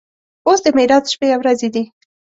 اوس د معراج شپې او ورځې دي.